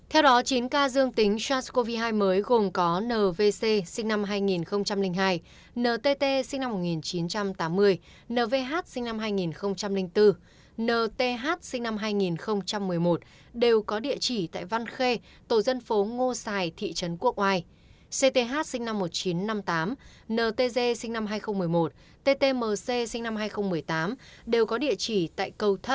họ địa chỉ tại cầu thân tổ dân phố ngô sài thị trấn quốc ngoài